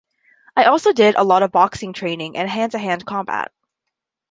I also did a lot of boxing training and hand-to-hand combat.